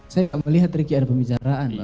saya melihat riki ada pembicaraan bapak